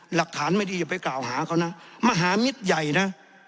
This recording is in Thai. หลักฐานไม่ดีอย่าไปกล่าวหาเขานะมหามิตรใหญ่นะ